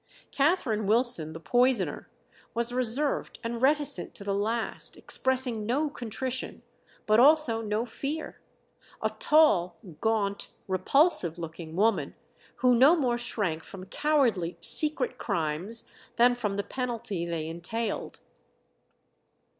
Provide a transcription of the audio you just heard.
Catherine Wilson, the poisoner, was reserved and reticent to the last, expressing no contrition, but also no fear a tall, gaunt, repulsive looking woman, who no more shrank from cowardly, secret crimes than from the penalty they entailed.